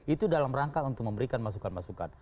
itu dalam rangka untuk memberikan masukan masukan